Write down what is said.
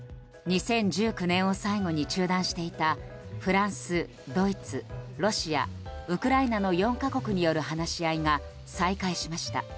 ２０１９年を最後に中断していたフランス・ドイツ・ロシアウクライナの４か国による話し合いが再開しました。